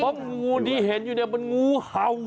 เพราะงูที่เห็นมันงูเขา